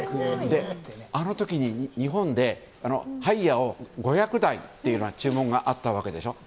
あの時に日本でハイヤーを５００台っていう注文があったわけでしょ。